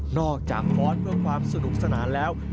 อกจากฟ้อนเพื่อความสนุกสนานแล้ว